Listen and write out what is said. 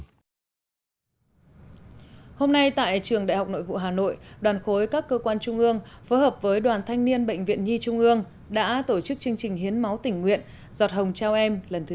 hôm nay tại trường đại học nội vụ hà nội đoàn khối các cơ quan trung ương phối hợp với đoàn thanh niên bệnh viện nhi trung ương đã tổ chức chương trình hiến máu tỉnh nguyện giọt hồng trao em lần thứ chín